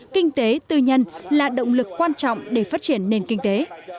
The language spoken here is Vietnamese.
kinh tế tư nhân là động lực quan trọng để phát triển nền kinh tế